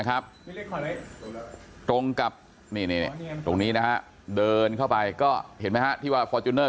ครับตรงกับนี่ตรงนี้นะเดินเข้าไปก็เห็นมั้ยฟอร์จุนเนอร์